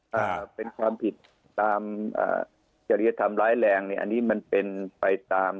ถ้าเป็นความผิดตามจริยธรรมร้ายแรงเนี่ยอันนี้มันเป็นไปตาม